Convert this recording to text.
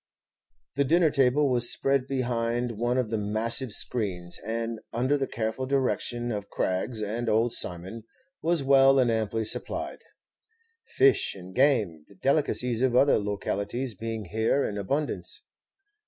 The dinner table was spread behind one of the massive screens, and, under the careful direction of Craggs and old Simon, was well and amply supplied, fish and game, the delicacies of other localities, being here in abundance.